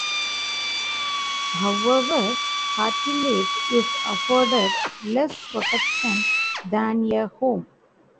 However, curtilage is afforded less protection than a home.